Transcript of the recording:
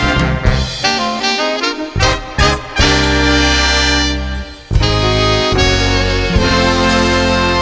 จากกันไป